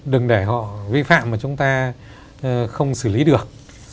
đừng để họ vi phạm mà chúng ta không xử lý được